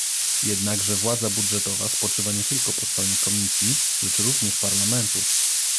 Jednakże władza budżetowa spoczywa nie tylko po stronie Komisji, lecz również Parlamentu